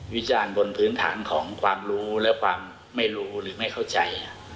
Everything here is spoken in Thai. วิจารณ์บนพื้นฐานของความรู้และความไม่รู้หรือไม่เข้าใจ